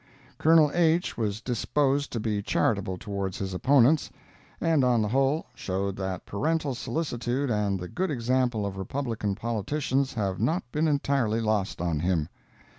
Colonel H. was disposed to be charitable towards his opponents, and, on the whole, showed that parental solicitude and the good example of Republican politicians have not been entirely lost on him.